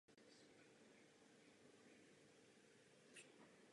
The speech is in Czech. Věc by se dala snadno vyřešit.